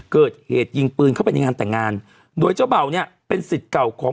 เกิดเหตุยิงปืนเข้าไปในงานแต่งงานโดยเจ้าเบาเนี่ยเป็นสิทธิ์เก่าของ